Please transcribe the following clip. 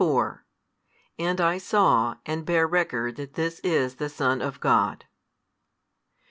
34 And I saw, and bare record that this is the Son of God.